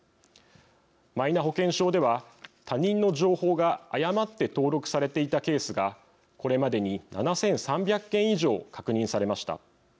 マイナ保険証では他人の情報が誤って登録されていたケースがこれまでに７３００件以上、確認されました。